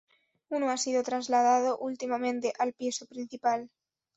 Uno ha sido trasladado últimamente al piso principal.